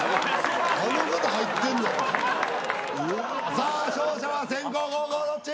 さあ勝者は先攻後攻どっち？